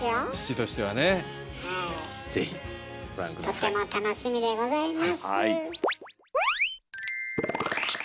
とても楽しみでございます。